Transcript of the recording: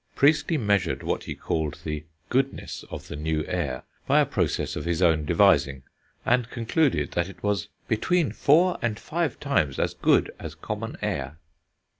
Priestley measured what he called the "goodness" of the new air, by a process of his own devising, and concluded that it was "between four and five times as good as common air."